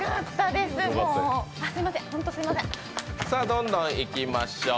どんどんいきましょう。